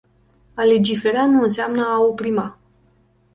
A legifera nu înseamnă a oprima.